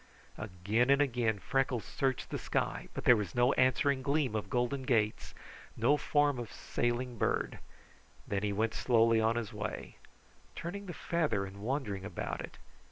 Again and again Freckles searched the sky, but there was no answering gleam of golden gates, no form of sailing bird; then he went slowly on his way, turning the feather and wondering about it.